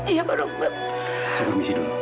iya pak dokter